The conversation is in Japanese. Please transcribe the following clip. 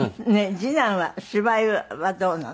次男は芝居はどうなの？